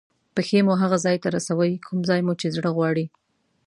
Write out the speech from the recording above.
پښې مو هغه ځای ته رسوي کوم ځای مو چې زړه غواړي.